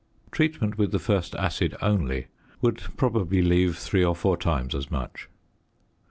Treatment with the first acid only would probably leave three or four times as much.